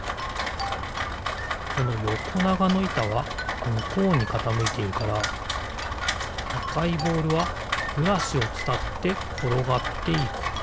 このよこながのいたはむこうにかたむいているからあかいボールはブラシをつたってころがっていく。